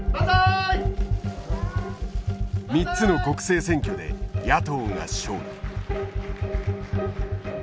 ３つの国政選挙で野党が勝利。